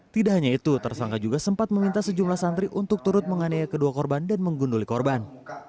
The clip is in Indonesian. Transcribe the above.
tidak hanya itu tersangka juga sempat meminta sejumlah santri untuk turut menganiaya kedua korban dan menggunduli korban